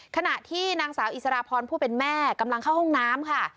ขณะที่นางสาวอิสรพรผู้เป็นแม่กำลังเข้าห้องน้ำค่ะ